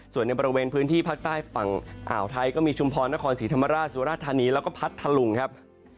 ส่วนในบริเวณพื้นที่ภาคใต้ฝั่งอ่าวไทยก็มีชุมพรนครศรีธรรมราชสุราธานีแล้วก็พัทธลุงครับ